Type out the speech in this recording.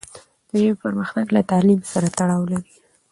د ژبې پرمختګ له تعلیم سره تړاو لري.